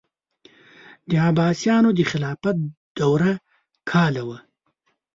د عباسیانو د خلافت دوره کاله وه.